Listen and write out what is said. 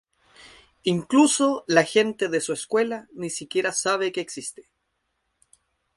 Incluso la gente de su escuela ni siquiera sabe que existe.